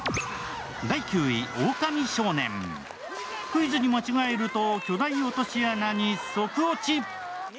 クイズに間違えると巨大落とし穴に即落ち。